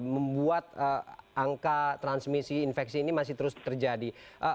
membuat angka transmisi infeksi ini masih terus terjadi